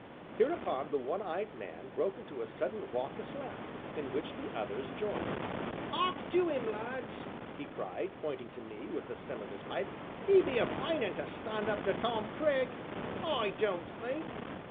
Hereupon the one eyed man broke into a sudden raucous laugh, in which the others joined. "'Ark to 'im, lads," he cried, pointing to me with the stern of his pipe, "'e be a fine un to stand up to Tom Cragg I don't think."